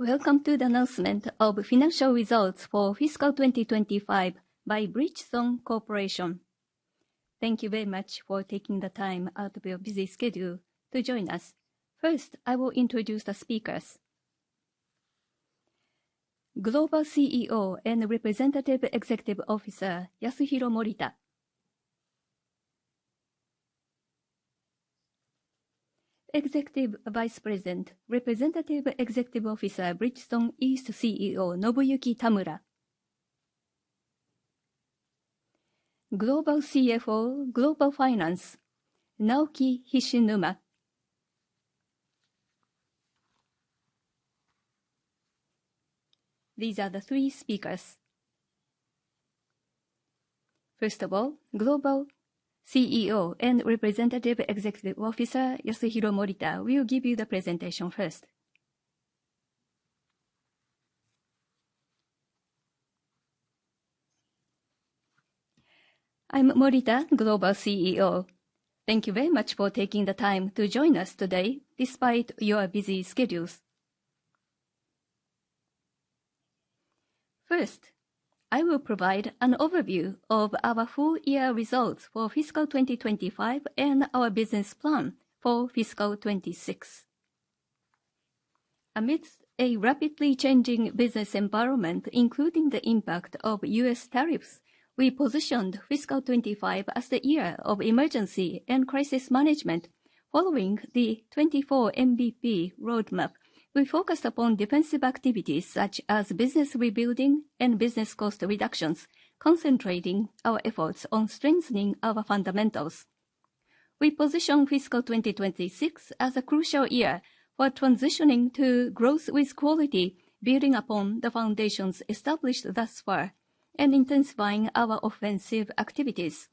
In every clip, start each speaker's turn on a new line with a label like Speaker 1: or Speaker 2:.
Speaker 1: Welcome to the announcement of financial results for fiscal 2025 by Bridgestone Corporation. Thank you very much for taking the time out of your busy schedule to join us. First, I will introduce the speakers. Global CEO and Representative Executive Officer, Yasuhiro Morita. Executive Vice President, Representative Executive Officer, Bridgestone East CEO, Nobuyuki Tamura. Global CFO, Global Finance, Naoki Hishinuma. These are the three speakers. First of all, Global CEO and Representative Executive Officer, Yasuhiro Morita, will give you the presentation first.
Speaker 2: I'm Morita, Global CEO. Thank you very much for taking the time to join us today despite your busy schedules. First, I will provide an overview of our full year results for fiscal 2025 and our business plan for fiscal 2026. Amidst a rapidly changing business environment, including the impact of U.S. tariffs, we positioned fiscal 2025 as the year of emergency and crisis management. Following the 24MBP roadmap, we focused upon defensive activities such as business rebuilding and business cost reductions, concentrating our efforts on strengthening our fundamentals. We position fiscal 2026 as a crucial year for transitioning to growth with quality, building upon the foundations established thus far and intensifying our offensive activities.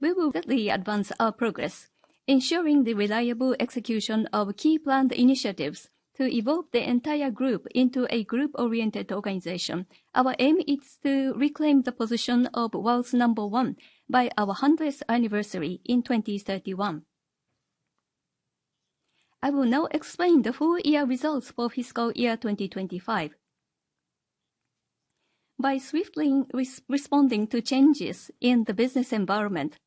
Speaker 2: We will rapidly advance our progress, ensuring the reliable execution of key planned initiatives to evolve the entire group into a group-oriented organization. Our aim is to reclaim the position of world's number one by our 100th Anniversary in 2031. I will now explain the full year results for fiscal year 2025. By swiftly responding to changes in the business environment,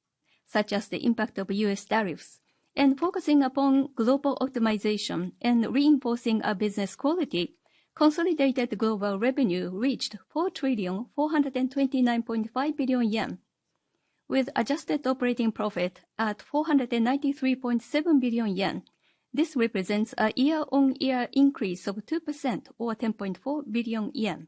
Speaker 2: such as the impact of U.S. tariffs, and focusing upon global optimization and reinforcing our business quality, consolidated global revenue reached 4,429.5 billion yen, with Adjusted Operating Profit at 493.7 billion yen. This represents a year-on-year increase of 2% or 10.4 billion yen.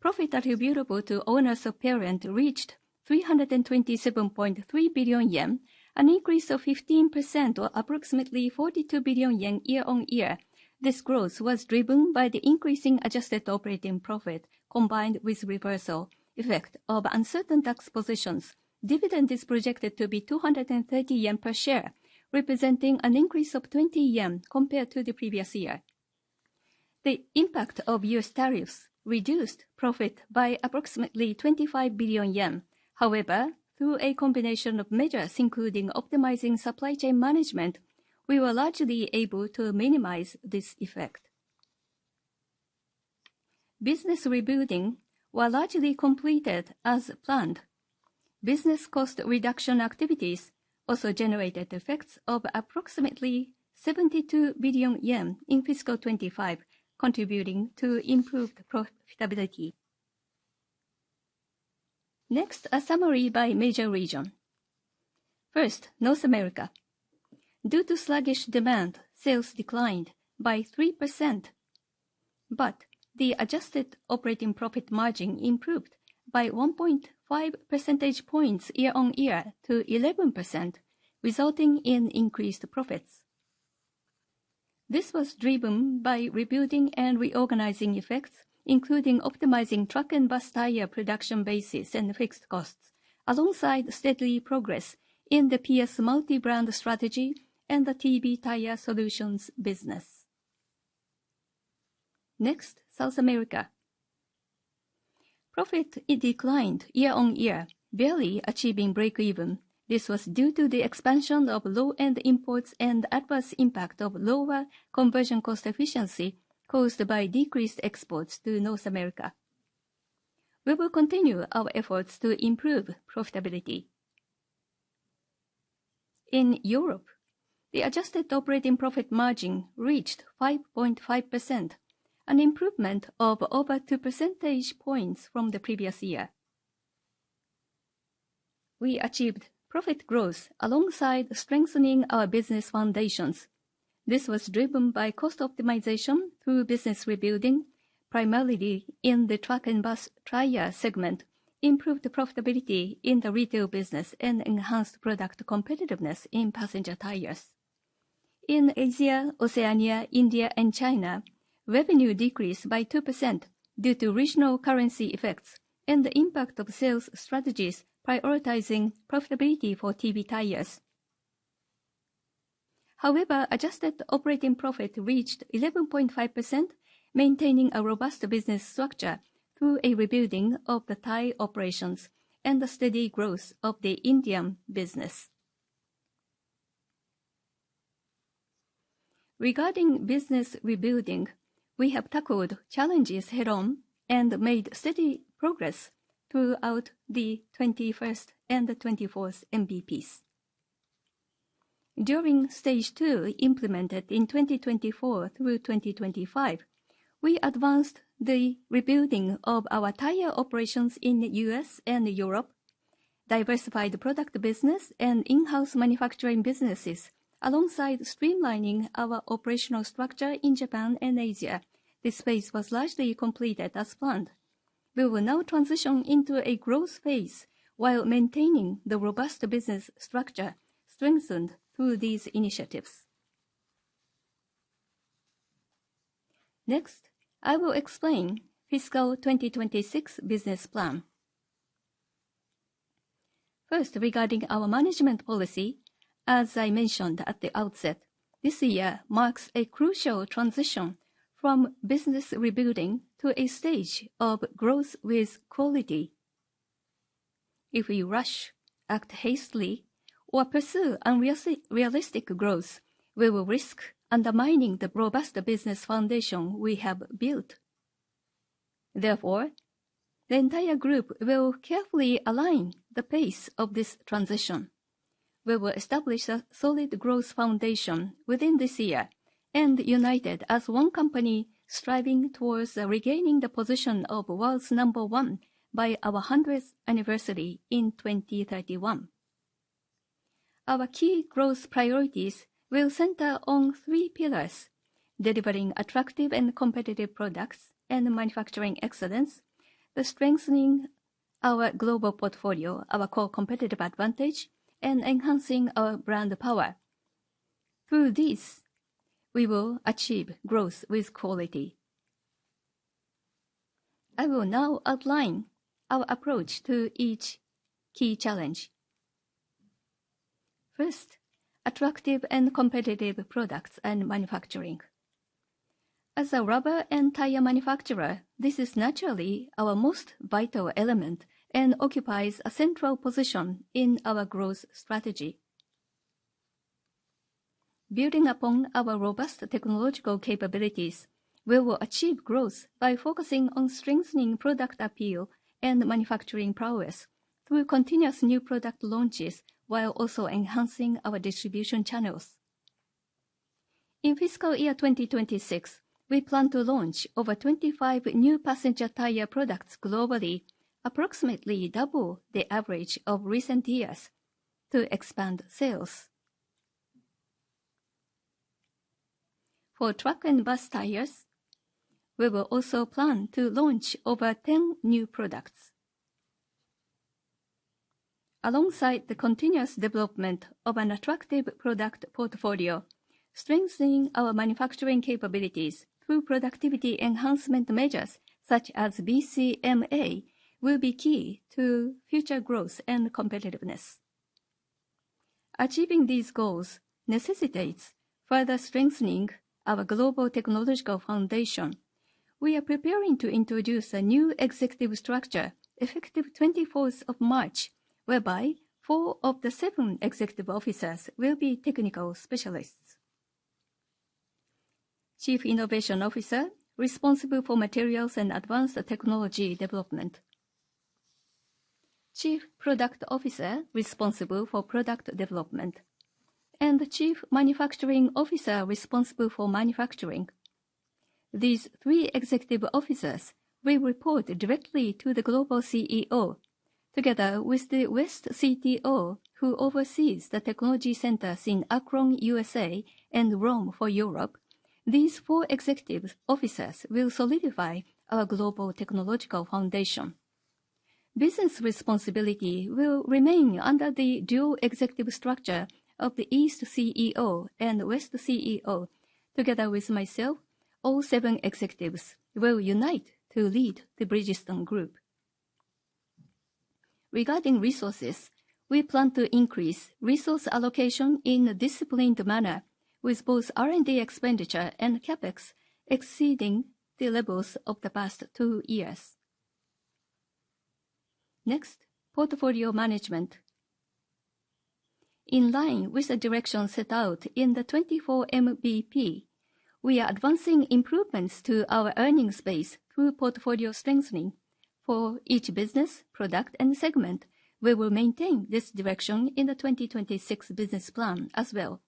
Speaker 2: Profit attributable to owners of parent reached 327.3 billion yen, an increase of 15% or approximately 42 billion yen year-on-year. This growth was driven by the increasing Adjusted Operating Profit, combined with reversal effect of uncertain tax positions. Dividend is projected to be 230 yen per share, representing an increase of 20 yen compared to the previous year. The impact of U.S. tariffs reduced profit by approximately 25 billion yen. However, through a combination of measures, including optimizing supply chain management, we were largely able to minimize this effect. Business rebuilding were largely completed as planned. Business cost reduction activities also generated effects of approximately 72 billion yen in fiscal 2025, contributing to improved profitability. Next, a summary by major region. First, North America. Due to sluggish demand, sales declined by 3%, but the Adjusted Operating Profit margin improved by 1.5 percentage points year-on-year to 11%, resulting in increased profits. This was driven by rebuilding and reorganizing effects, including optimizing truck and bus tire production bases and fixed costs, alongside steady progress in the PS multi-brand strategy and the TB Tire Solutions business. Next, South America. Profit, it declined year-on-year, barely achieving breakeven. This was due to the expansion of low-end imports and adverse impact of lower conversion cost efficiency caused by decreased exports to North America. We will continue our efforts to improve profitability. In Europe, the Adjusted Operating Profit margin reached 5.5%, an improvement of over 2 percentage points from the previous year. We achieved profit growth alongside strengthening our business foundations. This was driven by cost optimization through business rebuilding, primarily in the truck and bus tire segment, improved profitability in the retail business, and enhanced product competitiveness in passenger tires. In Asia, Oceania, India, and China, revenue decreased by 2% due to regional currency effects and the impact of sales strategies prioritizing profitability for TB tires. However, Adjusted Operating Profit reached 11.5%, maintaining a robust business structure through a rebuilding of the tire operations and the steady growth of the Indian business.... Regarding business rebuilding, we have tackled challenges head-on and made steady progress throughout the 21st and the 24th MBPs. During stage 2, implemented in 2024 through 2025, we advanced the rebuilding of our tire operations in the U.S. and Europe, diversified product business and in-house manufacturing businesses, alongside streamlining our operational structure in Japan and Asia. This phase was largely completed as planned. We will now transition into a growth phase while maintaining the robust business structure strengthened through these initiatives. Next, I will explain fiscal 2026 business plan. First, regarding our management policy, as I mentioned at the outset, this year marks a crucial transition from business rebuilding to a stage of growth with quality. If we rush, act hastily, or pursue unrealistic, unrealistic growth, we will risk undermining the robust business foundation we have built. Therefore, the entire group will carefully align the pace of this transition. We will establish a solid growth foundation within this year and united as one company striving towards regaining the position of world's number one by our 100th Anniversary in 2031. Our key growth priorities will center on three pillars: delivering attractive and competitive products and manufacturing excellence, by strengthening our global portfolio, our core competitive advantage, and enhancing our brand power. Through this, we will achieve growth with quality. I will now outline our approach to each key challenge. First, attractive and competitive products and manufacturing. As a rubber and tire manufacturer, this is naturally our most vital element and occupies a central position in our growth strategy. Building upon our robust technological capabilities, we will achieve growth by focusing on strengthening product appeal and manufacturing prowess through continuous new product launches, while also enhancing our distribution channels. In fiscal year 2026, we plan to launch over 25 new passenger tire products globally, approximately double the average of recent years, to expand sales. For truck and bus tires, we will also plan to launch over 10 new products. Alongside the continuous development of an attractive product portfolio, strengthening our manufacturing capabilities through productivity enhancement measures, such as BCMA, will be key to future growth and competitiveness. Achieving these goals necessitates further strengthening our global technological foundation. We are preparing to introduce a new executive structure, effective March 24, whereby four of the seven executive officers will be technical specialists. Chief Innovation Officer, responsible for materials and advanced technology development, Chief Product Officer, responsible for product development, and the Chief Manufacturing Officer, responsible for manufacturing. These three executive officers will report directly to the global CEO, together with the West CTO, who oversees the technology centers in Akron, U.S. and Rome for Europe. These four executive officers will solidify our global technological foundation. Business responsibility will remain under the dual executive structure of the East CEO and West CEO. Together with myself, all seven executives will unite to lead the Bridgestone Group. Regarding resources, we plan to increase resource allocation in a disciplined manner, with both R&D expenditure and CapEx exceeding the levels of the past two years. Next, portfolio management. In line with the direction set out in the 24MBP, we are advancing improvements to our earnings base through portfolio strengthening for each business, product, and segment. We will maintain this direction in the 2026 business plan as well.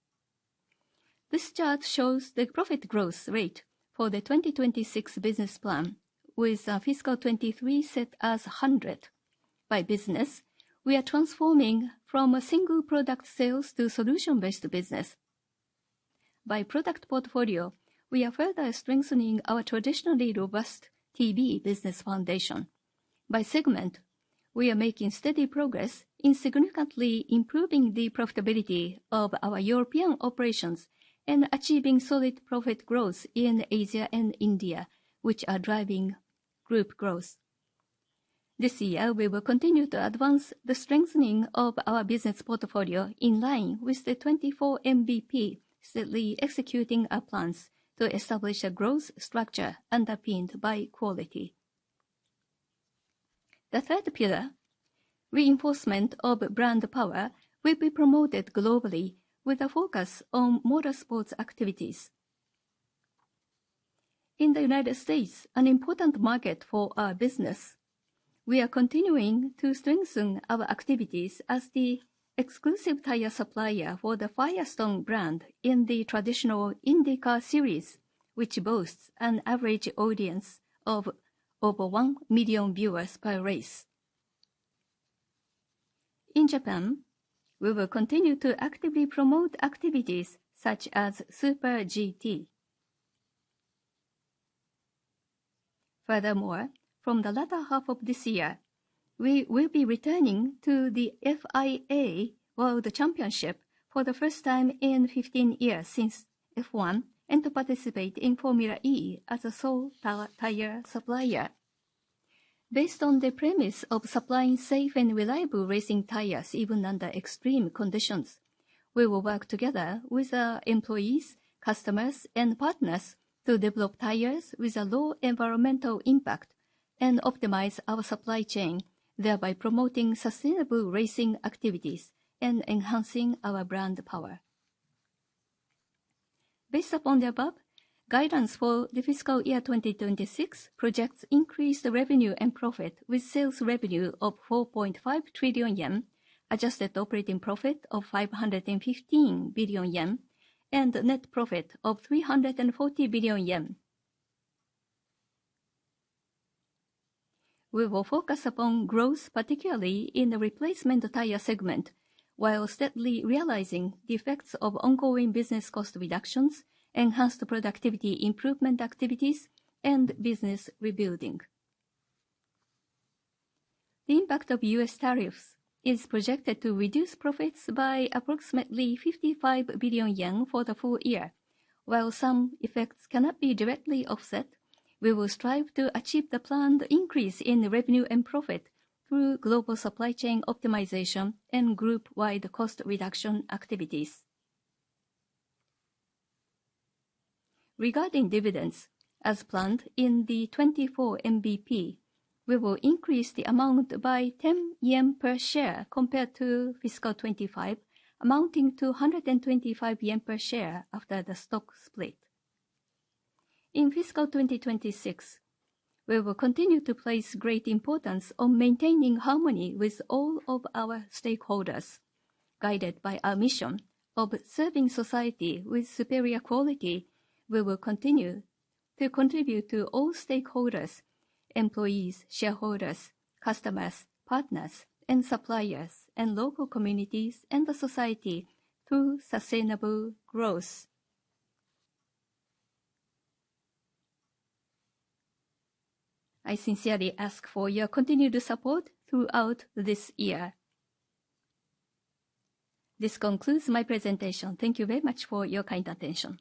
Speaker 2: This chart shows the profit growth rate for the 2026 business plan, with fiscal 2023 set as 100. By business, we are transforming from a single product sales to solution-based business. By product portfolio, we are further strengthening our traditionally robust TB business foundation. By segment, we are making steady progress in significantly improving the profitability of our European operations and achieving solid profit growth in Asia and India, which are driving group growth. This year, we will continue to advance the strengthening of our business portfolio in line with the 2024MBP, steadily executing our plans to establish a growth structure underpinned by quality.... The third pillar, reinforcement of brand power, will be promoted globally with a focus on motor sports activities. In the United States, an important market for our business, we are continuing to strengthen our activities as the exclusive tire supplier for the Firestone brand in the traditional IndyCar series, which boasts an average audience of over 1 million viewers per race. In Japan, we will continue to actively promote activities such as Super GT. Furthermore, from the latter half of this year, we will be returning to the FIA World Championship for the first time in 15 years since F1, and to participate in Formula E as a sole tire supplier. Based on the premise of supplying safe and reliable racing tires, even under extreme conditions, we will work together with our employees, customers, and partners to develop tires with a low environmental impact and optimize our supply chain, thereby promoting sustainable racing activities and enhancing our brand power. Based upon the above, guidance for the fiscal year 2026 projects increased revenue and profit, with sales revenue of 4.5 trillion yen, Adjusted Operating Profit of 515 billion yen, and net profit of 340 billion yen. We will focus upon growth, particularly in the replacement tire segment, while steadily realizing the effects of ongoing business cost reductions, enhanced productivity improvement activities, and business rebuilding. The impact of U.S. tariffs is projected to reduce profits by approximately 55 billion yen for the full year. While some effects cannot be directly offset, we will strive to achieve the planned increase in revenue and profit through global supply chain optimization and group-wide cost reduction activities. Regarding dividends, as planned in the 24MBP, we will increase the amount by 10 yen per share compared to fiscal 2025, amounting to 125 yen per share after the stock split. In fiscal 2026, we will continue to place great importance on maintaining harmony with all of our stakeholders. Guided by our mission of serving society with superior quality, we will continue to contribute to all stakeholders, employees, shareholders, customers, partners, and suppliers, and local communities and the society through sustainable growth. I sincerely ask for your continued support throughout this year. This concludes my presentation. Thank you very much for your kind attention.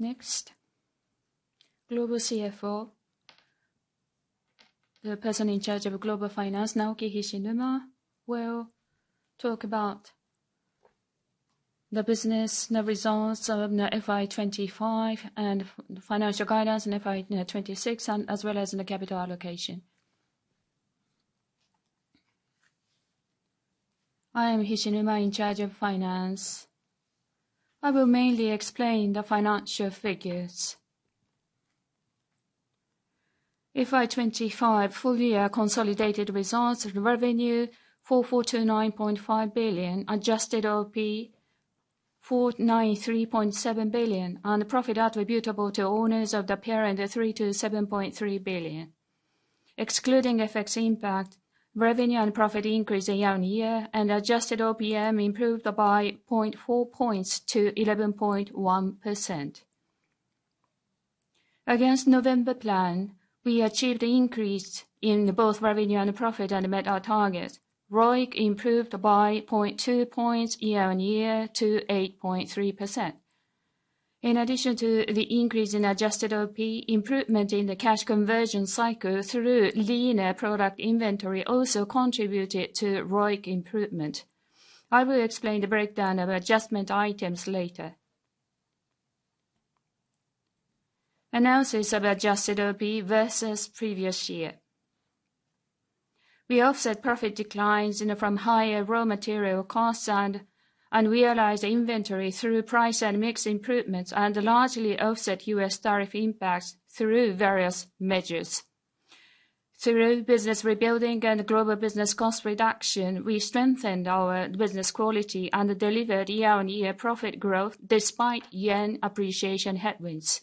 Speaker 1: Next, Global CFO, the person in charge of global finance, Naoki Hishinuma, will talk about the business, the results of the FY 2025, and the financial guidance in FY 2026, and as well as the capital allocation.
Speaker 3: I am Hishinuma, in charge of finance. I will mainly explain the financial figures. FY 2025 full year consolidated results: revenue, 449.5 billion, Adjusted OP, 493.7 billion, and profit attributable to owners of the parent at 37.3 billion. Excluding FX impact, revenue and profit increased year-on-year, and adjusted OPM improved by 0.4 points to 11.1%. Against November plan, we achieved increase in both revenue and profit, and met our targets. ROIC improved by 0.2 points year-on-year to 8.3%. In addition to the increase in Adjusted OP, improvement in the cash conversion cycle through leaner product inventory also contributed to ROIC improvement. I will explain the breakdown of adjustment items later. Analysis of Adjusted OP versus previous year. We offset profit declines from higher raw material costs and unrealized inventory through price and mix improvements, and largely offset U.S. tariff impacts through various measures. Through business rebuilding and global business cost reduction, we strengthened our business quality and delivered year-on-year profit growth despite yen appreciation headwinds.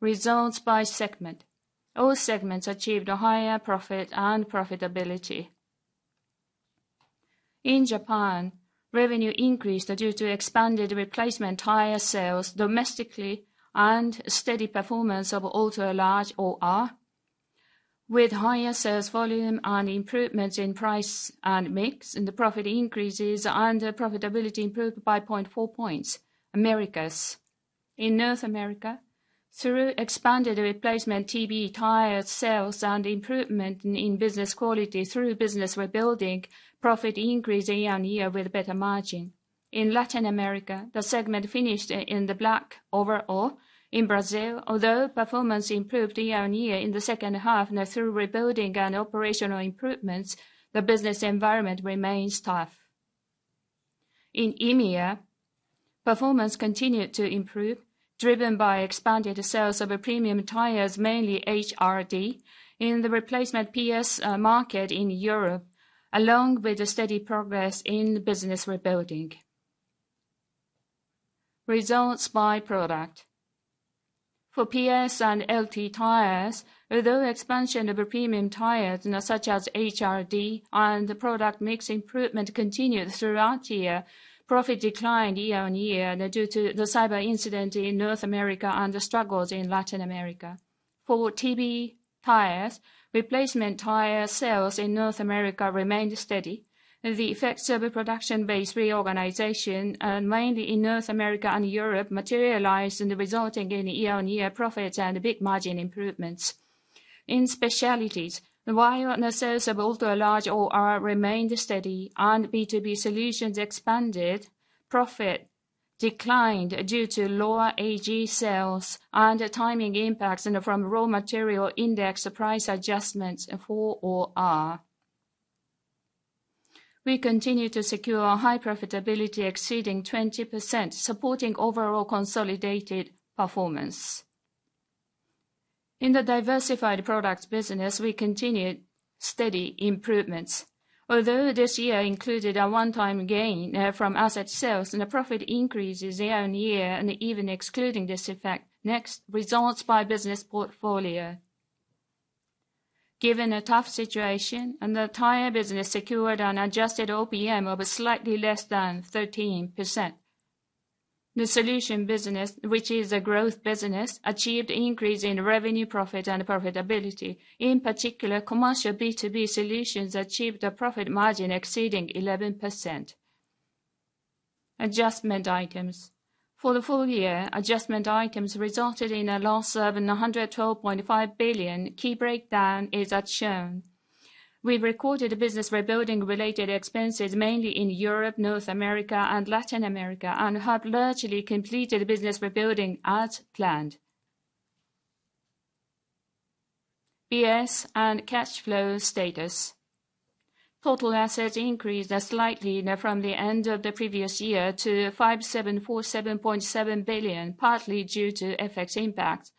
Speaker 3: Results by segment. All segments achieved a higher profit and profitability. In Japan, revenue increased due to expanded replacement tire sales domestically and steady performance of ultra large OR. With higher sales volume and improvements in price and mix, the profit increased and profitability improved by 0.4 points. Americas. In North America, through expanded replacement TB tire sales and improvement in business quality through business rebuilding, profit increased year-on-year with better margin. In Latin America, the segment finished in the black overall. In Brazil, although performance improved year-on-year in the second half now through rebuilding and operational improvements, the business environment remains tough. In EMEA, performance continued to improve, driven by expanded sales of premium tires, mainly HRD, in the replacement PS market in Europe, along with a steady progress in business rebuilding. Results by product. For PS and LT tires, although expansion of premium tires, such as HRD, and the product mix improvement continued throughout the year, profit declined year-on-year due to the cyber incident in North America and the struggles in Latin America. For TB tires, replacement tire sales in North America remained steady, and the effects of a production-based reorganization, mainly in North America and Europe, materialized and resulting in year-on-year profits and big margin improvements. In specialties, the tire sales of both the large OR remained steady and B2B solutions expanded, profit declined due to lower AG sales and timing impacts and from raw material index price adjustments for OR. We continue to secure high profitability exceeding 20%, supporting overall consolidated performance. In the diversified products business, we continued steady improvements, although this year included a one-time gain from asset sales, and the profit increases year-on-year and even excluding this effect. Next, results by business portfolio. Given a tough situation and the tire business secured an adjusted OPM of slightly less than 13%, the solution business, which is a growth business, achieved increase in revenue, profit, and profitability. In particular, commercial B2B solutions achieved a profit margin exceeding 11%. Adjustment items. For the full year, adjustment items resulted in a loss of 112.5 billion. Key breakdown is as shown. We've recorded the business rebuilding related expenses mainly in Europe, North America, and Latin America, and have largely completed the business rebuilding as planned. Balance Sheet and cash flow status. Total assets increased slightly now from the end of the previous year to 5,747.7 billion, partly due to FX impact.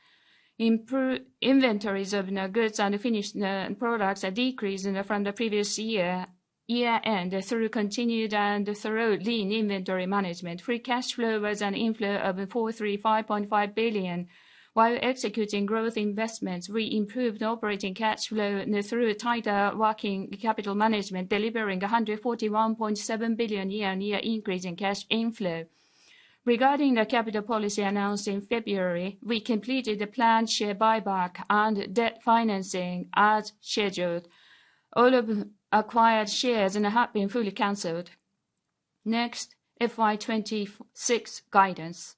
Speaker 3: Inventories of raw goods and finished products are decreased from the previous year year-end through continued and thorough lean inventory management. Free cash flow was an inflow of 435.5 billion. While executing growth investments, we improved operating cash flow now through tighter working capital management, delivering 141.7 billion year-on-year increase in cash inflow. Regarding the capital policy announced in February, we completed the planned share buyback and debt financing as scheduled. All acquired shares have been fully canceled. Next, FY 2026 guidance.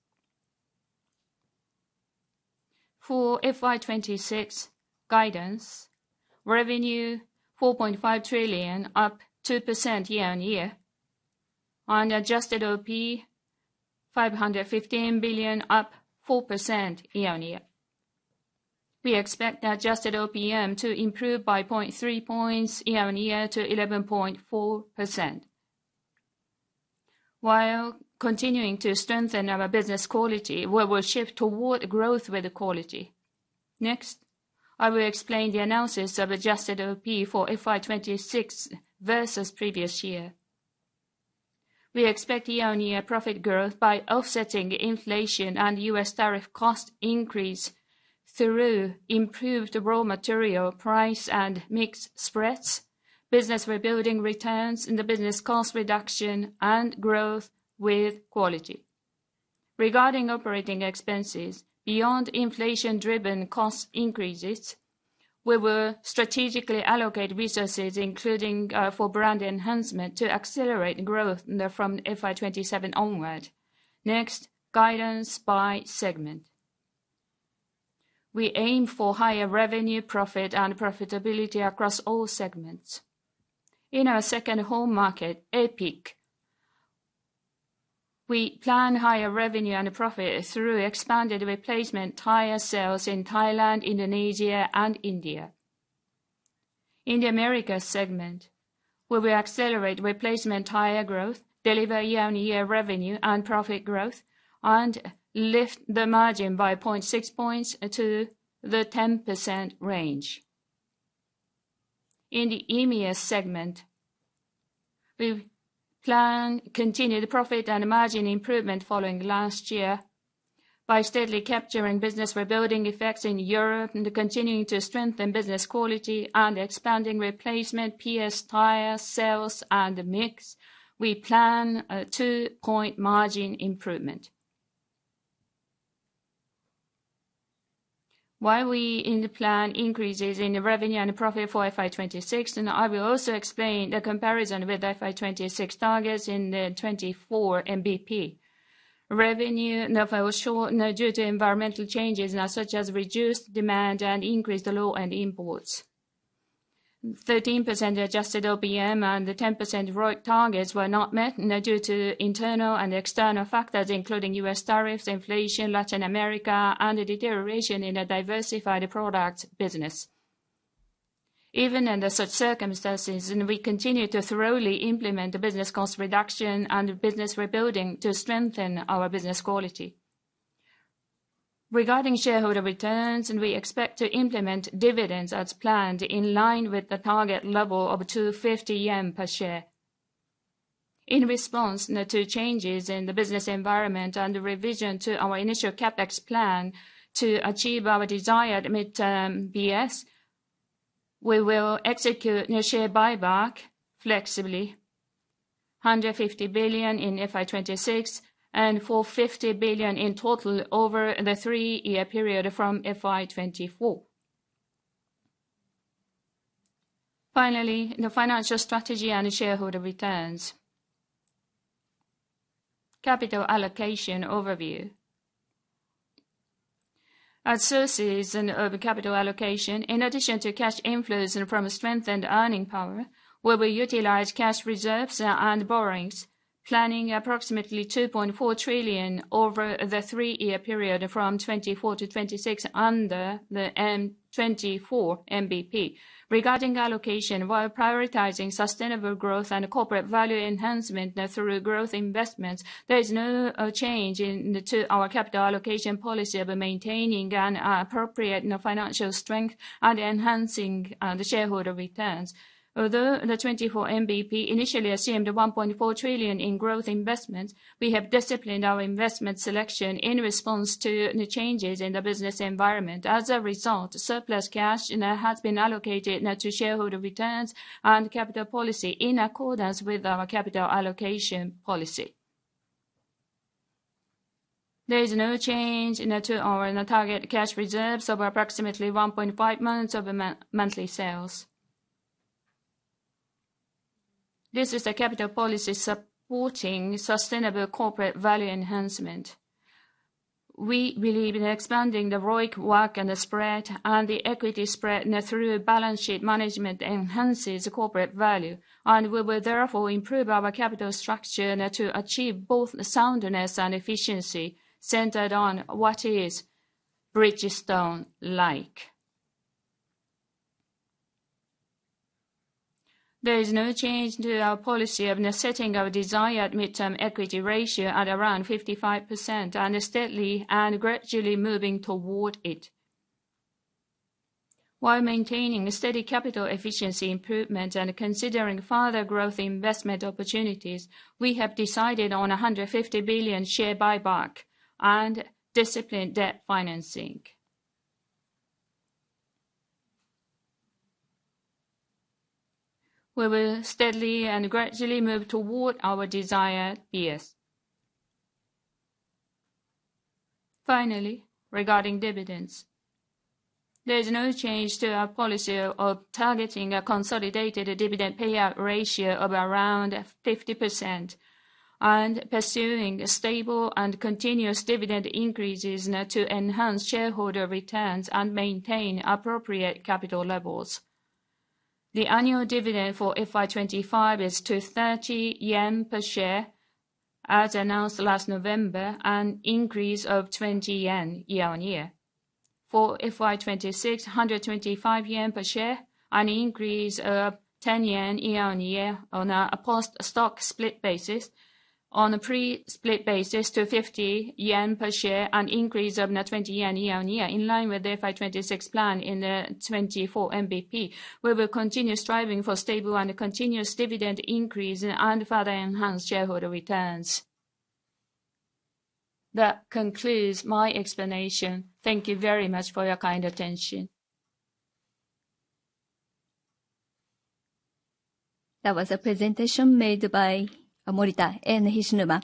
Speaker 3: For FY 2026 guidance, revenue 4.5 trillion, up 2% year-on-year, on Adjusted OP 515 billion, up 4% year-on-year. We expect adjusted OPM to improve by 0.3 points year-on-year to 11.4%. While continuing to strengthen our business quality, we will shift toward growth with quality. Next, I will explain the analysis of Adjusted OP for FY 2026 versus previous year. We expect year-on-year profit growth by offsetting inflation and U.S. tariff cost increase through improved raw material price and mix spreads, business rebuilding returns, and the business cost reduction, and growth with quality. Regarding operating expenses, beyond inflation-driven cost increases, we will strategically allocate resources, including, for brand enhancement, to accelerate growth now from FY 2027 onward. Next, guidance by segment. We aim for higher revenue, profit, and profitability across all segments. In our second home market, APIC, we plan higher revenue and profit through expanded replacement tire sales in Thailand, Indonesia, and India. In the Americas segment, we will accelerate replacement tire growth, deliver year-on-year revenue and profit growth, and lift the margin by 0.6 points to the 10% range. In the EMEA segment, we've planned continued profit and margin improvement following last year by steadily capturing business rebuilding effects in Europe and continuing to strengthen business quality and expanding replacement PS tire sales and mix. We plan a 2-point margin improvement... while we in the plan increases in the revenue and profit for FY 2026, and I will also explain the comparison with FY 2026 targets in the 24MBP. Revenue fell short due to environmental changes, such as reduced demand and increased raw and imports. 13% Adjusted OPM and the 10% ROIC targets were not met now due to internal and external factors, including U.S. tariffs, inflation, Latin America, and a deterioration in a diversified product business. Even under such circumstances, we continue to thoroughly implement the business cost reduction and business rebuilding to strengthen our business quality. Regarding shareholder returns, we expect to implement dividends as planned, in line with the target level of 250 yen per share. In response now to changes in the business environment and the revision to our initial CapEx plan to achieve our desired midterm BS, we will execute new share buyback flexibly, 150 billion in FY 2026, and 450 billion in total over the three-year period from FY 2024. Finally, the financial strategy and shareholder returns. Capital allocation overview. Our sources of capital allocation, in addition to cash inflows from a strengthened earning power, where we utilize cash reserves and borrowings, planning approximately 2.4 trillion over the three-year period from 2024 to 2026 under the 24MBP. Regarding allocation, while prioritizing sustainable growth and corporate value enhancement now through growth investments, there is no change in to our capital allocation policy of maintaining an appropriate now financial strength and enhancing the shareholder returns. Although the 24MBP initially assumed 1.4 trillion in growth investments, we have disciplined our investment selection in response to the changes in the business environment. As a result, surplus cash now has been allocated now to shareholder returns and capital policy in accordance with our capital allocation policy. There is no change now to our now target cash reserves of approximately 1.5 months of monthly sales. This is the capital policy supporting sustainable corporate value enhancement. We believe in expanding the ROIC walk and the spread, and the equity spread now through balance sheet management enhances the corporate value, and we will therefore improve our capital structure now to achieve both the soundness and efficiency centered on what is Bridgestone like? There is no change to our policy of now setting our desired midterm equity ratio at around 55% and steadily and gradually moving toward it. While maintaining a steady capital efficiency improvement and considering further growth investment opportunities, we have decided on a 150 billion share buyback and disciplined debt financing. We will steadily and gradually move toward our desired BS. Finally, regarding dividends. There is no change to our policy of targeting a consolidated dividend payout ratio of around 50% and pursuing stable and continuous dividend increases now to enhance shareholder returns and maintain appropriate capital levels. The annual dividend for FY 2025 is to 30 yen per share, as announced last November, an increase of 20 yen year-on-year. For FY 2026, 125 yen per share, an increase of 10 yen year-on-year on a post-stock split basis. On a pre-split basis, to 50 yen per share, an increase of now 20 yen year-on-year, in line with the FY 2026 plan in the 24MBP. We will continue striving for stable and continuous dividend increase and further enhance shareholder returns. That concludes my explanation. Thank you very much for your kind attention.
Speaker 1: That was a presentation made by Morita and Hishinuma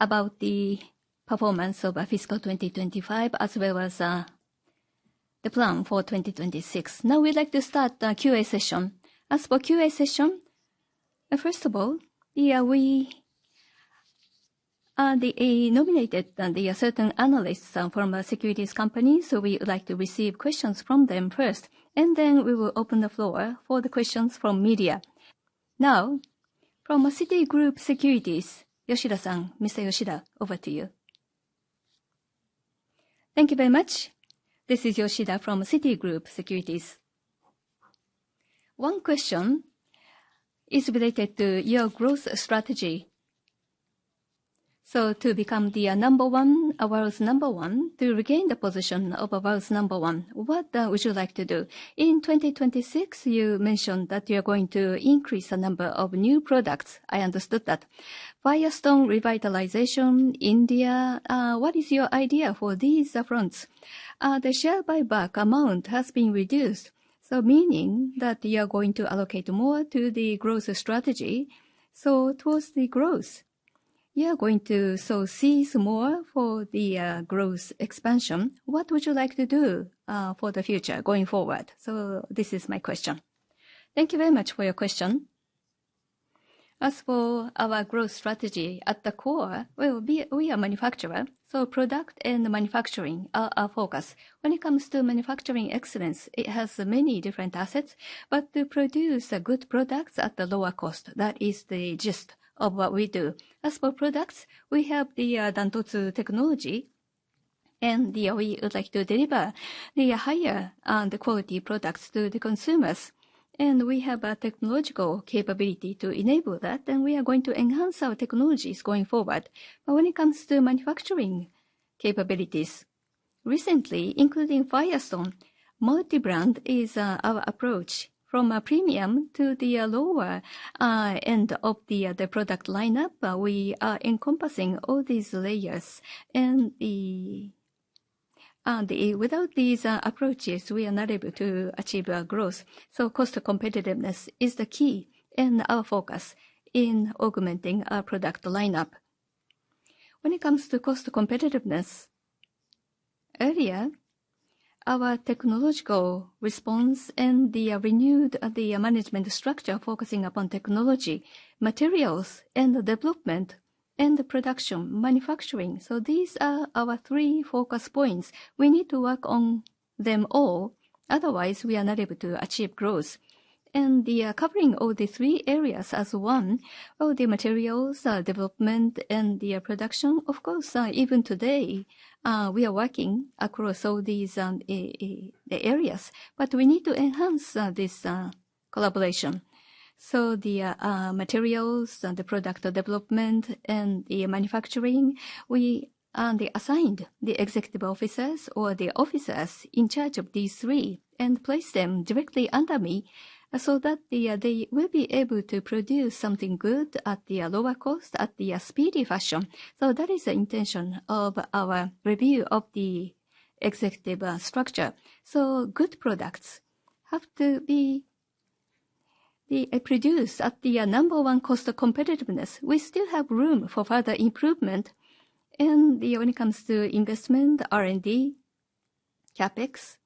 Speaker 1: about the performance of our fiscal 2025, as well as the plan for 2026. Now we'd like to start the Q&A session. As for Q&A session, first of all, the nominated and certain analysts from securities companies, so we would like to receive questions from them first, and then we will open the floor for the questions from media. Now, from Citigroup Securities, Yoshida-san, Mr. Yoshida, over to you.
Speaker 4: Thank you very much. This is Yoshida from Citigroup Securities. One question is related to your growth strategy. So to become the number one, world's number one, to regain the position of world's number one, what would you like to do? In 2026, you mentioned that you're going to increase the number of new products. I understood that. Firestone revitalization, India, what is your idea for these fronts? The share buyback amount has been reduced, so meaning that you are going to allocate more to the growth strategy, so towards the growth... you're going to so seize more for the, growth expansion. What would you like to do, for the future going forward? So this is my question.
Speaker 2: Thank you very much for your question. As for our growth strategy, at the core, well, we, we are manufacturer, so product and manufacturing are our focus. When it comes to manufacturing excellence, it has many different assets, but to produce good products at a lower cost, that is the gist of what we do. As for products, we have the, Dantotsu technology, and yeah, we would like to deliver the higher, the quality products to the consumers. We have a technological capability to enable that, and we are going to enhance our technologies going forward. But when it comes to manufacturing capabilities, recently, including Firestone, multi-brand is our approach. From a premium to the lower end of the product lineup, we are encompassing all these layers. And without these approaches, we are not able to achieve our growth. So cost competitiveness is the key and our focus in augmenting our product lineup. When it comes to cost competitiveness, earlier, our technological response and the renewed management structure focusing upon technology, materials, and development, and production, manufacturing. So these are our three focus points. We need to work on them all, otherwise, we are not able to achieve growth. The covering all the three areas as one, all the materials development and the production, of course even today we are working across all these the areas, but we need to enhance this collaboration. The materials and the product development and the manufacturing, we they assigned the executive officers or the officers in charge of these three and place them directly under me, so that the they will be able to produce something good at the lower cost, at the speedy fashion. That is the intention of our review of the executive structure. Good products have to be produced at the number one cost of competitiveness. We still have room for further improvement. When it comes to investment, R&D, CapEx,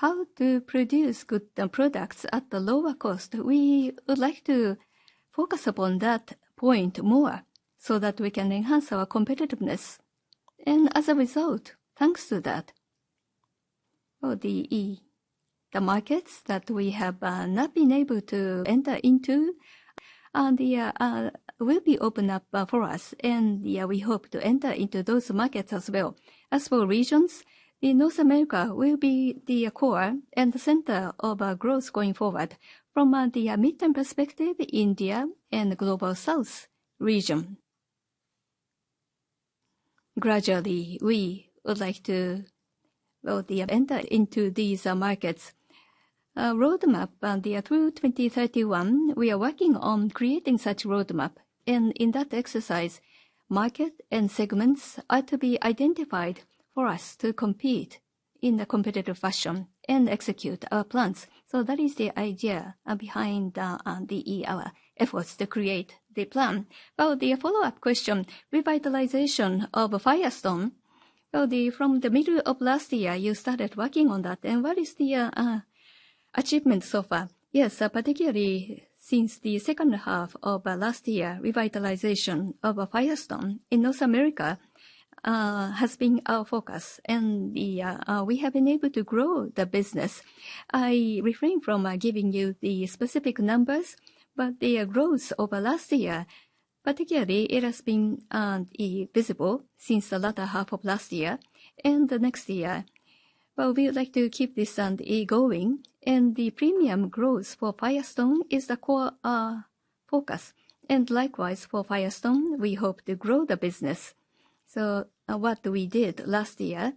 Speaker 2: how to produce good products at the lower cost, we would like to focus upon that point more, so that we can enhance our competitiveness. As a result, thanks to that, for the markets that we have not been able to enter into, and will be open up for us, and, yeah, we hope to enter into those markets as well. As for regions, North America will be the core and the center of our growth going forward. From the midterm perspective, India and Global South region. Gradually, we would like to, well, enter into these markets. Roadmap through 2031, we are working on creating such roadmap, and in that exercise, market and segments are to be identified for us to compete in a competitive fashion and execute our plans. So that is the idea behind the efforts to create the plan. About the follow-up question, revitalization of Firestone. From the middle of last year, you started working on that, and what is the achievement so far? Yes, particularly since the second half of last year, revitalization of Firestone in North America has been our focus, and we have been able to grow the business. I refrain from giving you the specific numbers, but the growth over last year, particularly it has been visible since the latter half of last year and the next year. Well, we would like to keep this going, and the premium growth for Firestone is the core focus. Likewise, for Firestone, we hope to grow the business. What we did last year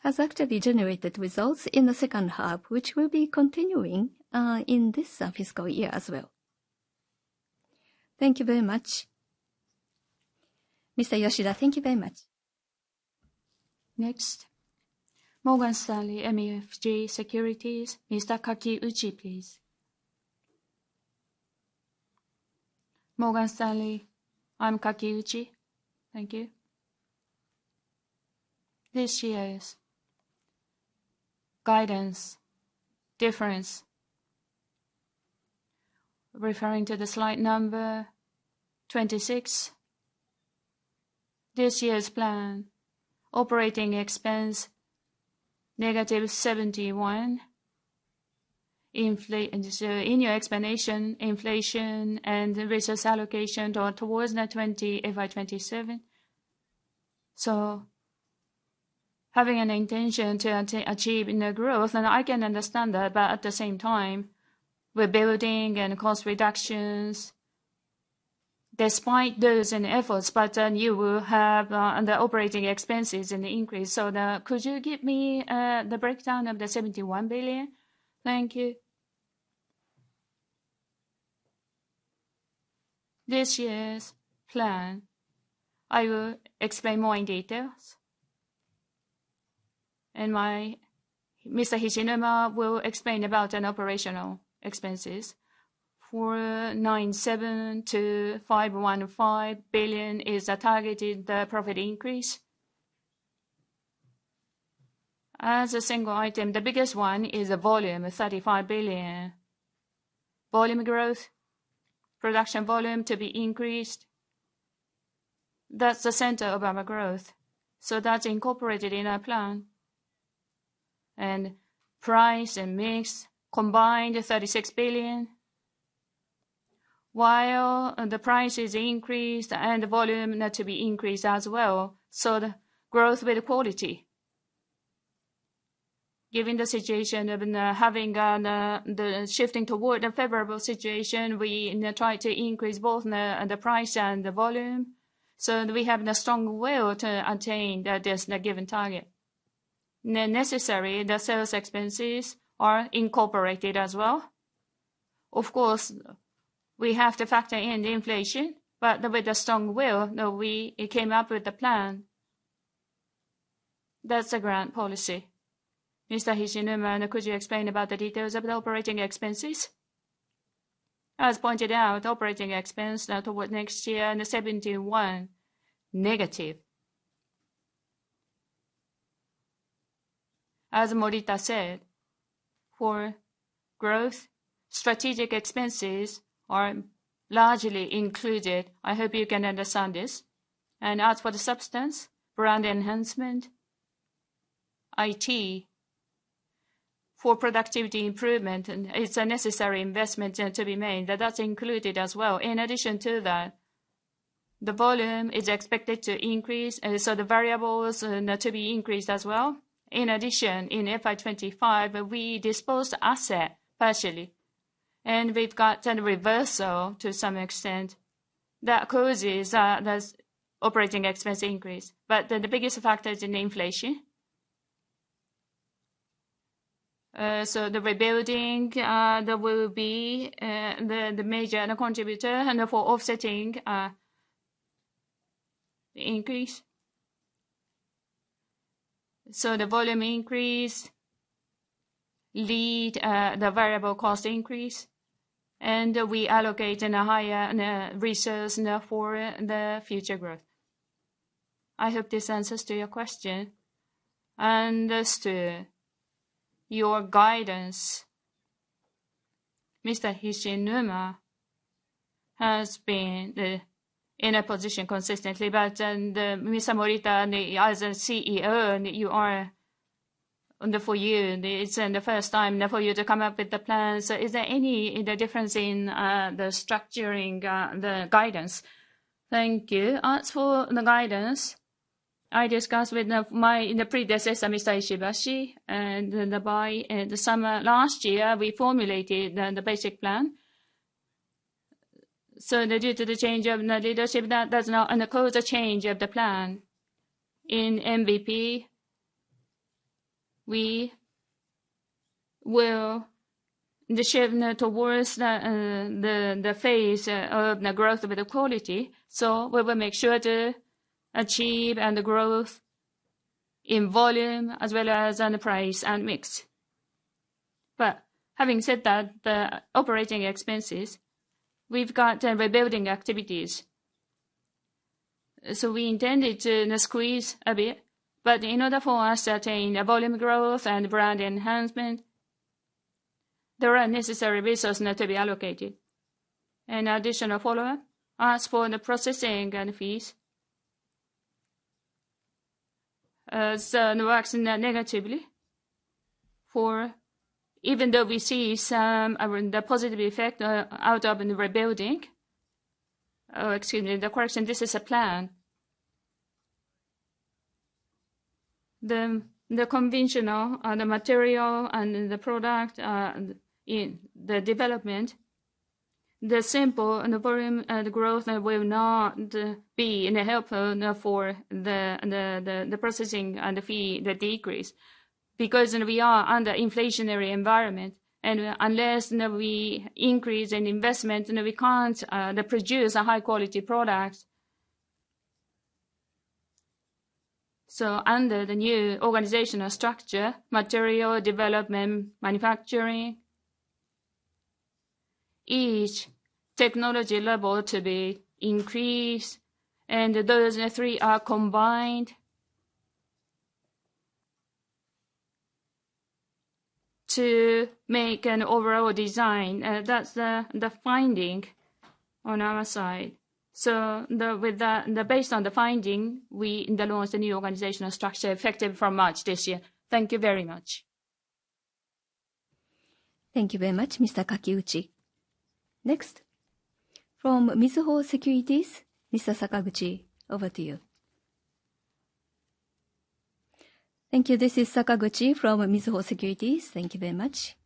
Speaker 2: has actually generated results in the second half, which will be continuing in this fiscal year as well.
Speaker 4: Thank you very much.
Speaker 2: Mr. Yoshida, thank you very much.
Speaker 1: Next, Morgan Stanley MUFG Securities, Mr. Kakiuchi, please.
Speaker 5: Morgan Stanley, I'm Kakiuchi. Thank you. This year's guidance difference, referring to the slide number 26. This year's plan, operating expense -71 billion. In your explanation, inflation and resource allocation towards the 20, FY 2027. So having an intention to achieve in the growth, and I can understand that, but at the same time, we're building and cost reductions despite those and efforts, but then you will have the operating expenses and the increase. So could you give me the breakdown of the 71 billion? Thank you.
Speaker 2: This year's plan, I will explain more in details.... and my, Mr. Hishinuma will explain about an operating expenses. For 97 billion-515 billion is a targeted profit increase. As a single item, the biggest one is the volume, the 35 billion. Volume growth, production volume to be increased, that's the center of our growth. So that's incorporated in our plan. And price and mix combined is 36 billion. While the price is increased and the volume not to be increased as well, so the growth with quality. Given the situation of having the shifting toward a favorable situation, we, you know, try to increase both the price and the volume, so we have the strong will to attain this given target. The necessary sales expenses are incorporated as well. Of course, we have to factor in the inflation, but with a strong will, now we came up with the plan. That's the grand policy. Mr. Hishinuma, could you explain about the details of the operating expenses?
Speaker 3: As pointed out, operating expense now toward next year in the -71. As Morita said, for growth, strategic expenses are largely included. I hope you can understand this. And as for the substance, brand enhancement, IT for productivity improvement, and it's a necessary investment to be made, that's included as well. In addition to that, the volume is expected to increase, so the variables to be increased as well. In addition, in FY 2025, we dispose asset partially, and we've got then a reversal to some extent. That causes this operating expense increase. But the biggest factor is in inflation. So the rebuilding, there will be the major contributor for offsetting the increase. So the volume increase lead the variable cost increase, and we allocate in a higher resource now for the future growth. I hope this answers to your question.
Speaker 5: Understood. Your guidance, Mr. Hishinuma, has been in a position consistently, but then the Mr. Morita, as CEO, and you are, for you, it's the first time now for you to come up with the plan. So is there any the difference in the structuring the guidance? Thank you.
Speaker 3: As for the guidance, I discussed with the my the predecessor, Mr. Ishibashi, and then by the summer last year, we formulated the the basic plan. So due to the change of leadership, that does not cause a change of the plan. In MVP, we will shift now towards the phase of the growth with the quality. So we will make sure to achieve and the growth in volume as well as on the price and mix. But having said that, the operating expenses, we've got rebuilding activities. So we intended to squeeze a bit, but in order for us to attain a volume growth and brand enhancement, there are necessary resources now to be allocated. And additional follow-up, as for the processing and fees, so it works negatively for... Even though we see some the positive effect out of the rebuilding. Oh, excuse me, the correction, this is a plan. The conventional material and the product in the development, the simple and the volume growth will not be helpful for the processing and the fee decrease. Because we are under inflationary environment, and unless now we increase in investment, you know, we can't produce a high quality product. So under the new organizational structure, material development, manufacturing, each technology level to be increased, and those three are combined to make an overall design. That's the finding on our side. So with that, based on the finding, we then launched a new organizational structure effective from March this year. Thank you very much.
Speaker 1: Thank you very much, Mr. Kakiuchi. Next, from Mizuho Securities, Mr. Sakaguchi, over to you.
Speaker 6: Thank you. This is Sakaguchi from Mizuho Securities. Thank you very much.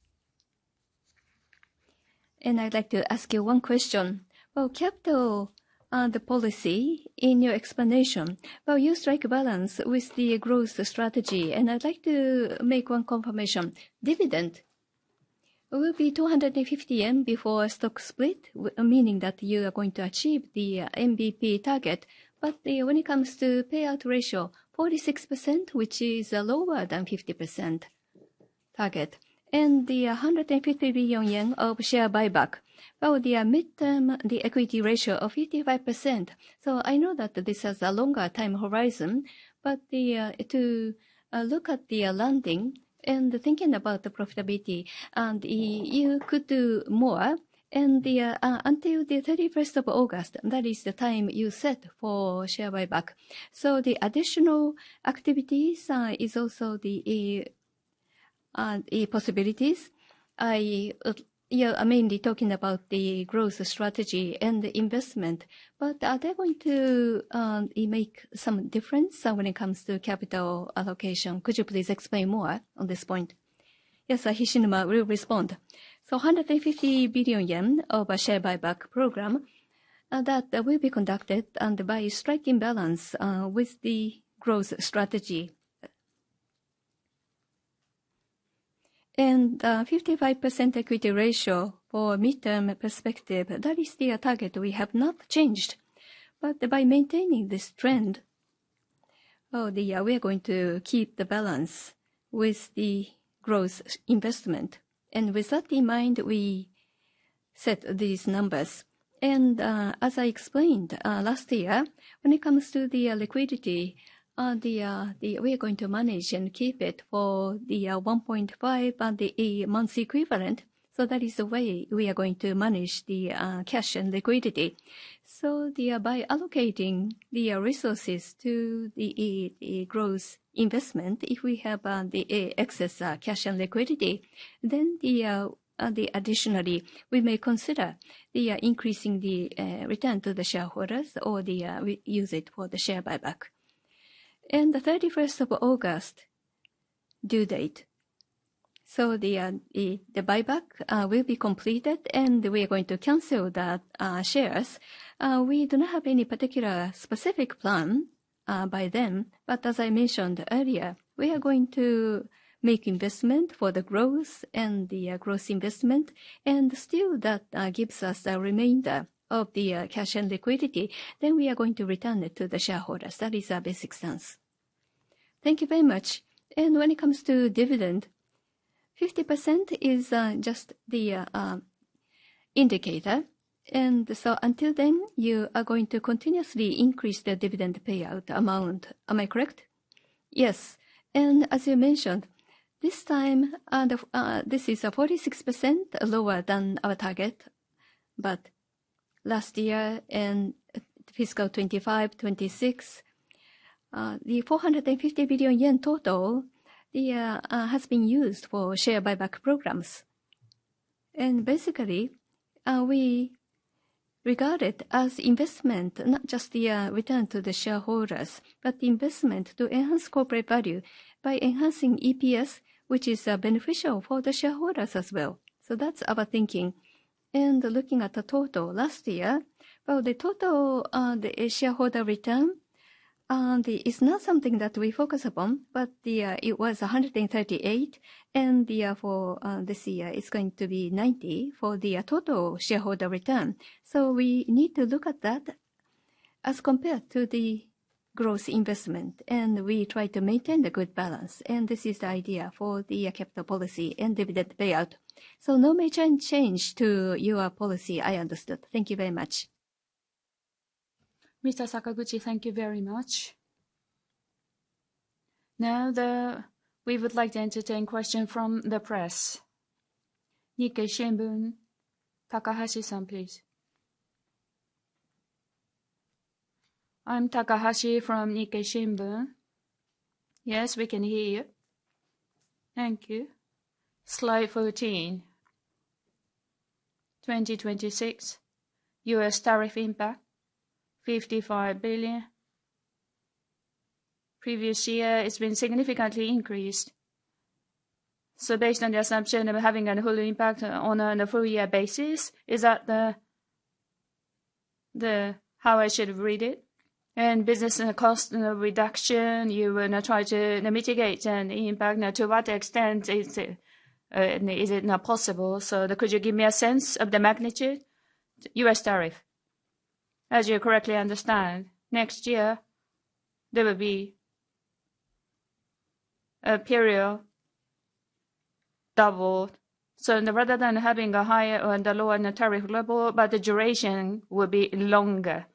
Speaker 6: And I'd like to ask you one question. Well, capital, the policy in your explanation, well, you strike a balance with the growth strategy, and I'd like to make one confirmation. Dividend will be 250 yen before a stock split, meaning that you are going to achieve the MVP target. But when it comes to payout ratio, 46%, which is lower than 50% target, and the 150 billion yen of share buyback. But with the mid-term, the equity ratio of 55%, so I know that this has a longer time horizon, but to look at the lending and thinking about the profitability, and you could do more. And until the August 31st, that is the time you set for share buyback. So the additional activities is also the possibilities. I yeah, I'm mainly talking about the growth strategy and the investment, but are they going to make some difference when it comes to capital allocation? Could you please explain more on this point?
Speaker 2: Yes, Hishinuma will respond.
Speaker 3: So 150 billion yen of a share buyback program that will be conducted and by striking balance with the growth strategy. And, 55% equity ratio for midterm perspective, that is the target we have not changed. But by maintaining this trend, we are going to keep the balance with the growth investment. And with that in mind, we set these numbers. And, as I explained, last year, when it comes to the liquidity, we are going to manage and keep it for the 1.5 months equivalent. So that is the way we are going to manage the cash and liquidity. So by allocating the resources to the growth investment, if we have the excess cash and liquidity, then additionally, we may consider increasing the return to the shareholders or we use it for the share buyback. And the August 31st due date, so the buyback will be completed, and we are going to cancel that shares. We do not have any particular specific plan by then, but as I mentioned earlier, we are going to make investment for the growth and the growth investment, and still that gives us a remainder of the cash and liquidity, then we are going to return it to the shareholders. That is our basic sense.
Speaker 6: Thank you very much. And when it comes to dividend, 50% is just the indicator, and so until then, you are going to continuously increase the dividend payout amount. Am I correct?
Speaker 3: Yes, and as you mentioned, this time, and, this is 46% lower than our target, but last year in fiscal 2025, 2026, the 450 billion yen total has been used for share buyback programs. And basically, we regard it as investment, not just the return to the shareholders, but investment to enhance corporate value by enhancing EPS, which is beneficial for the shareholders as well. So that's our thinking. And looking at the total last year, well, the total, the shareholder return is not something that we focus upon, but it was 138 billion, and therefore, this year, it's going to be 90 billion for the total shareholder return. We need to look at that as compared to the growth investment, and we try to maintain the good balance, and this is the idea for the capital policy and dividend payout. No major change to your policy, I understood.
Speaker 6: Thank you very much.
Speaker 1: Mr. Sakaguchi, thank you very much. Now, we would like to entertain questions from the press. Nikkei Shimbun, Takahashi-san, please.
Speaker 7: I'm Takahashi from Nikkei Shimbun.
Speaker 2: Yes, we can hear you.
Speaker 7: Thank you. Slide 14. 2026, U.S. tariff impact, 55 billion. Previous year, it's been significantly increased. So based on the assumption of having a whole impact on a full year basis, is that the, the... How should I read it? And business and cost reduction, you will now try to mitigate any impact. Now, to what extent is it, is it not possible? So could you give me a sense of the magnitude?
Speaker 3: US tariff. As you correctly understand, next year there will be a period doubled. So rather than having a higher and a lower tariff level, but the duration will be longer.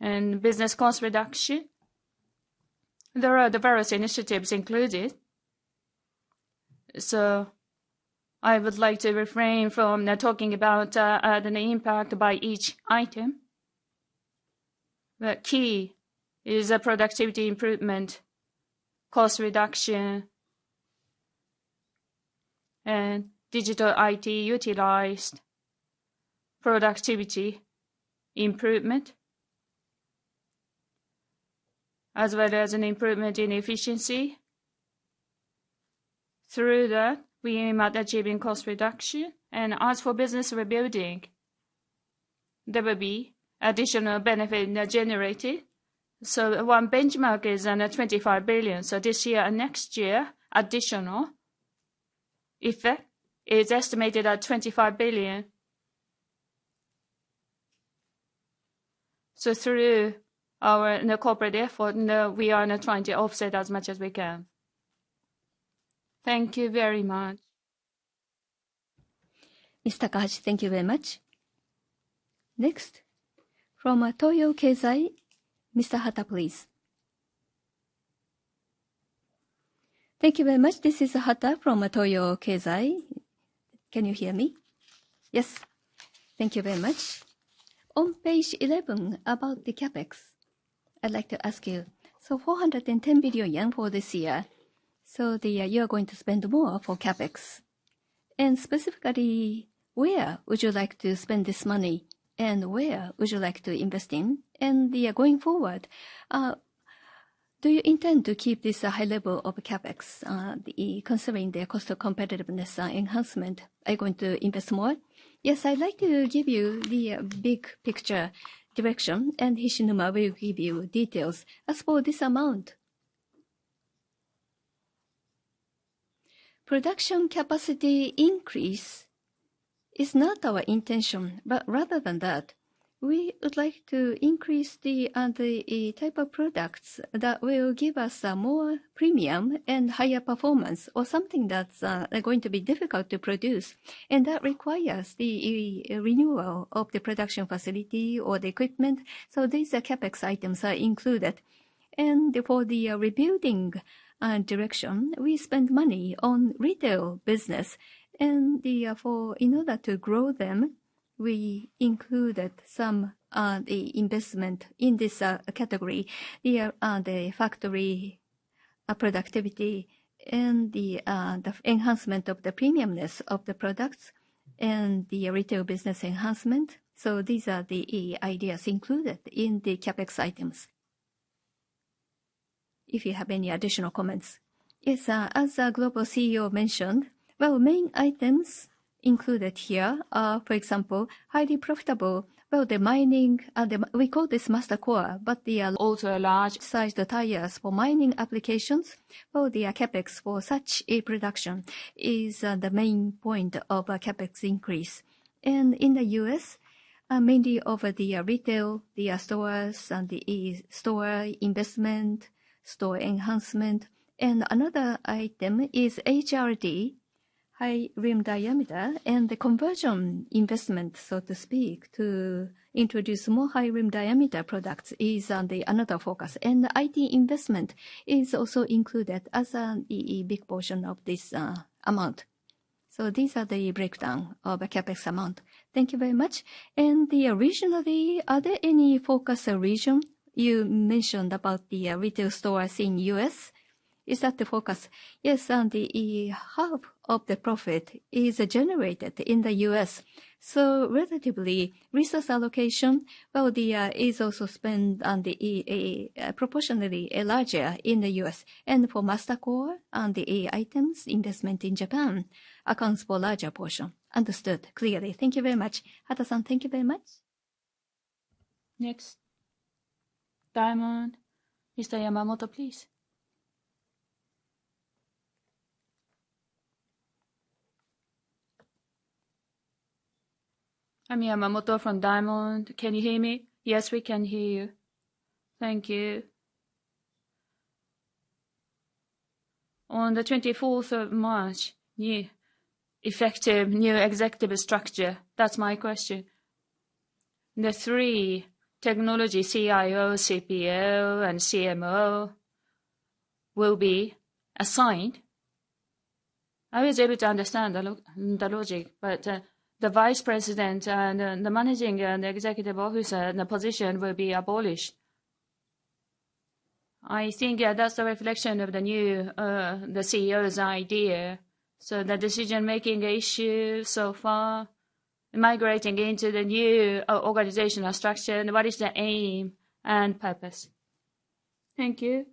Speaker 3: And business cost reduction, there are the various initiatives included. So I would like to refrain from now talking about the impact by each item. But key is a productivity improvement, cost reduction, and digital IT utilized productivity improvement, as well as an improvement in efficiency. Through that, we aim at achieving cost reduction. And as for business rebuilding-...
Speaker 2: there will be additional benefit generated. So one benchmark is on a 25 billion. So this year and next year, additional effect is estimated at JPY 25 billion. So through our the corporate effort, we are now trying to offset as much as we can.
Speaker 7: Thank you very much.
Speaker 1: Miss Takahashi, thank you very much. Next, from Toyo Keizai, Mr. Hata, please.
Speaker 8: Thank you very much. This is Hata from Toyo Keizai. Can you hear me?
Speaker 2: Yes.
Speaker 8: Thank you very much. On page 11, about the CapEx, I'd like to ask you, so 410 billion yen for this year, so the, you're going to spend more for CapEx. And specifically, where would you like to spend this money? And where would you like to invest in? And the, going forward, do you intend to keep this high level of CapEx, considering the cost of competitiveness enhancement, are you going to invest more?
Speaker 2: Yes, I'd like to give you the, big picture direction, and Hishinuma will give you details. As for this amount, production capacity increase is not our intention, but rather than that, we would like to increase the type of products that will give us a more premium and higher performance, or something that's going to be difficult to produce. That requires the renewal of the production facility or the equipment, so these are CapEx items are included. For the rebuilding direction, we spend money on retail business. In order to grow them, we included some the investment in this category. Yeah, the factory productivity and the enhancement of the premiumness of the products and the retail business enhancement. So these are the ideas included in the CapEx items. If you have any additional comments.
Speaker 3: Yes, as our Global CEO mentioned, well, main items included here are, for example, highly profitable. Well, the mining. We call this MasterCore, but they are also large-sized tires for mining applications. Well, the CapEx for such a production is the main point of a CapEx increase. And in the U.S., mainly over the retail, the stores and the store investment, store enhancement. And another item is HRD, High Rim Diameter, and the conversion investment, so to speak, to introduce more High Rim Diameter products is the another focus. And IT investment is also included as a big portion of this amount. So these are the breakdown of the CapEx amount.
Speaker 8: Thank you very much. And the originally, are there any focus region? You mentioned about the retail stores in the U.S. Is that the focus?
Speaker 3: Yes, and the half of the profit is generated in the U.S. So relatively, resource allocation, well, the is also spent on the EMEA, proportionally larger in the U.S. And for MasterCore and the OR items, investment in Japan accounts for a larger portion.
Speaker 8: Understood. Clearly. Thank you very much.
Speaker 3: Hata-san, thank you very much. Next, Diamond. Mr. Yamamoto, please.
Speaker 9: I'm Yamamoto from Diamond. Can you hear me?
Speaker 2: Yes, we can hear you.
Speaker 9: Thank you. On March 24, new effective, new executive structure, that's my question. The three technology CIO, CPO, and CMO will be assigned. I was able to understand the logic, but the vice president and the managing and the executive officer, and the position will be abolished. I think that's a reflection of the new, the CEO's idea. So the decision-making issue so far, migrating into the new organizational structure, and what is the aim and purpose?
Speaker 2: Thank you.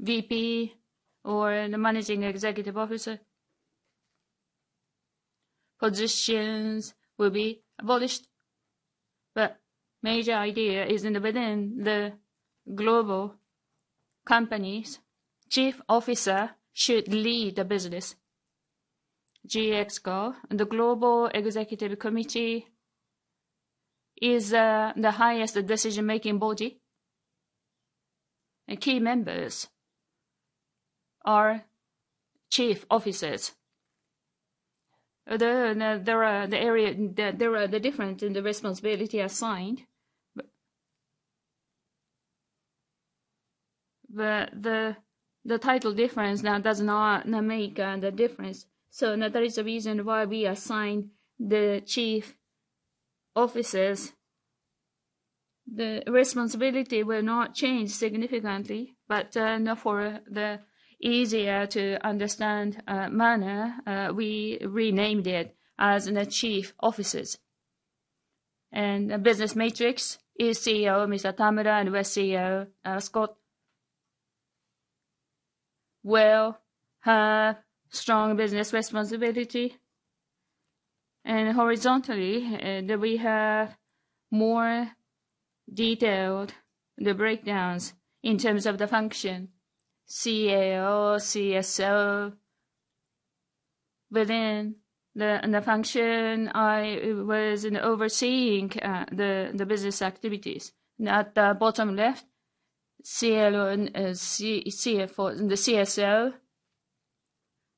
Speaker 2: VP or the managing executive officer positions will be abolished, but major idea is in within the global company's chief officer should lead the business. G-EXCO, the Global Executive Committee is the highest decision-making body, and key members are chief officers. There are the difference in the responsibility assigned, but the title difference now does not make the difference. So now that is the reason why we assign the chief officers. The responsibility will not change significantly, but now for the easier to understand manner, we renamed it as the chief officers. And business matrix is CEO, Mr. Tamura, and West CEO, Scott-... will have strong business responsibility. And horizontally, that we have more detailed the breakdowns in terms of the function, CAO, CSO. Within the function, I was in overseeing the business activities. And at the bottom left, CLO and the CSO,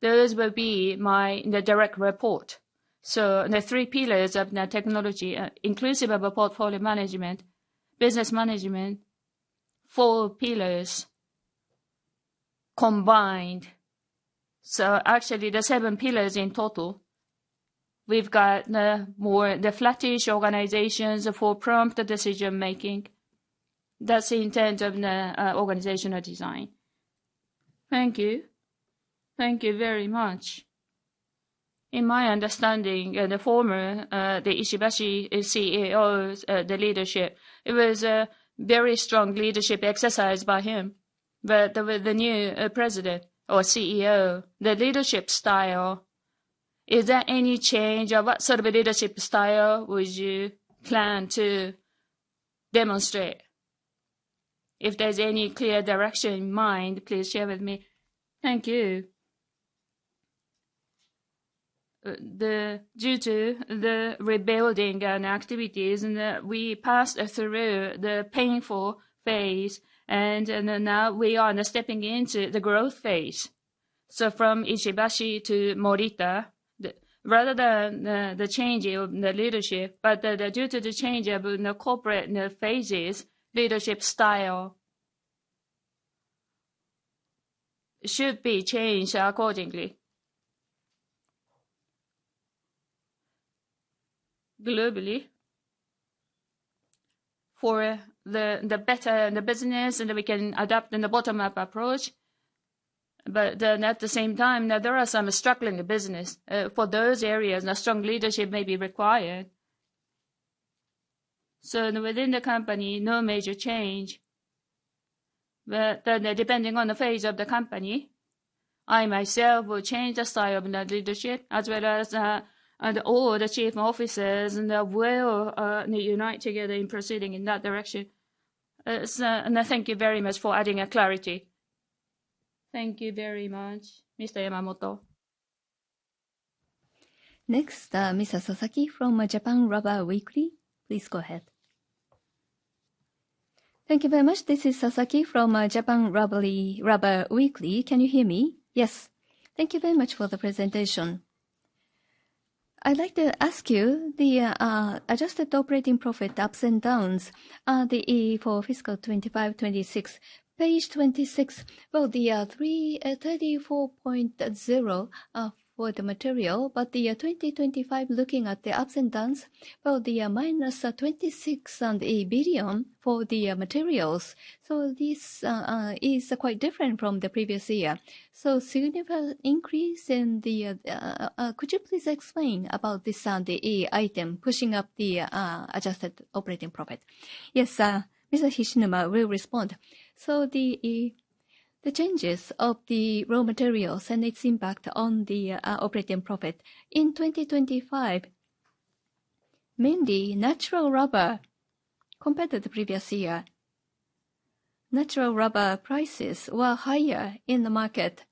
Speaker 2: those will be my direct report. So the three pillars of the technology, inclusive of a portfolio management, business management, four pillars combined. So actually, there are seven pillars in total. We've got more the flattish organizations for prompt decision-making. That's the intent of the organizational design.
Speaker 9: Thank you. Thank you very much. In my understanding, the former Ishibashi CEO's leadership, it was a very strong leadership exercised by him. But with the new, president or CEO, the leadership style, is there any change, or what sort of a leadership style would you plan to demonstrate? If there's any clear direction in mind, please share with me.
Speaker 2: Thank you. The due to the rebuilding and activities, we passed through the painful phase, and now we are stepping into the growth phase. So from Ishibashi to Morita, rather than the change in the leadership, but due to the change of the corporate phases, leadership style should be changed accordingly. Globally, for the better the business, and then we can adapt in the bottom-up approach. But then at the same time, now there are some struggling business. For those areas, a strong leadership may be required. Within the company, no major change, but depending on the phase of the company, I myself will change the style of the leadership as well as and all the chief officers, and they will unite together in proceeding in that direction.
Speaker 9: So, and thank you very much for adding clarity.
Speaker 2: Thank you very much, Mr. Yamamoto.
Speaker 1: Next, Mrs. Sasaki from Japan Rubber Weekly. Please go ahead.
Speaker 10: Thank you very much. This is Sasaki from Japan Rubber Weekly. Can you hear me?
Speaker 2: Yes.
Speaker 10: Thank you very much for the presentation. I'd like to ask you, the Adjusted Operating Profit ups and downs, the AE for fiscal 2025, 2026, page 26. Well, the 3.34 billion for the material, but the 2025, looking at the ups and downs, well, the -26 billion for the materials. So this is quite different from the previous year. So significant increase in the, could you please explain about this, the item pushing up the Adjusted Operating Profit?
Speaker 2: Yes, Mr. Hishinuma will respond.
Speaker 3: So the changes of the raw materials and its impact on the operating profit. In 2025, mainly natural rubber compared to the previous year, natural rubber prices were higher in the market.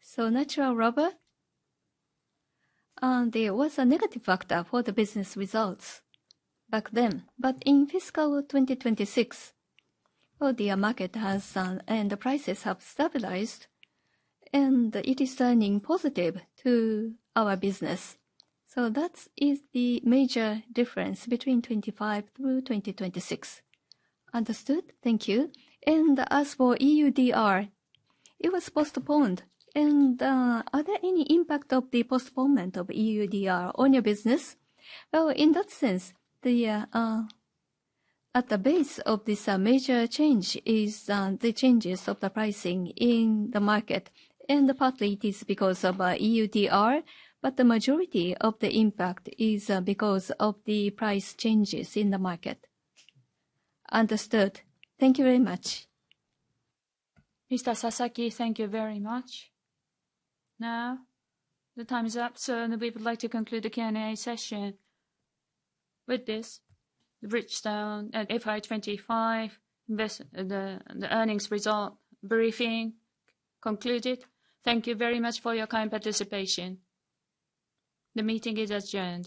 Speaker 3: So natural rubber, there was a negative factor for the business results back then. But in fiscal 2026, well, the market has, and the prices have stabilized, and it is turning positive to our business. So that is the major difference between 2025 through 2026.
Speaker 10: Understood. Thank you. And as for EUDR, it was postponed. And, are there any impact of the postponement of EUDR on your business?
Speaker 2: Well, in that sense, the, at the base of this, major change is, the changes of the pricing in the market, and partly it is because of, EUDR, but the majority of the impact is, because of the price changes in the market.
Speaker 10: Understood. Thank you very much.
Speaker 1: Mr. Sasaki, thank you very much. Now, the time is up, so we would like to conclude the Q&A session. With this, Bridgestone FY 2025, the earnings result briefing concluded. Thank you very much for your kind participation. The meeting is adjourned.